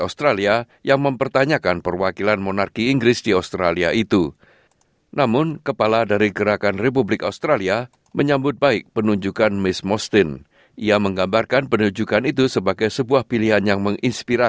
sampai jumpa di video selanjutnya